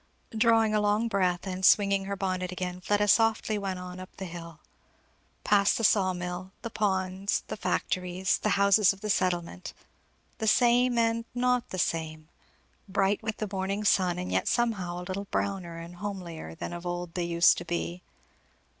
Drawing a long breath, and swinging her bonnet again, Fleda softly went on up the hill; past the saw mill, the ponds, the factories, the houses of the settlement. The same, and not the same! Bright with the morning sun, and yet somehow a little browner and homelier than of old they used to be.